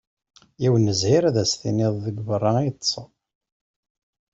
Yiwen n zzhir ad s-tiniḍ deg berra i ṭṭseɣ.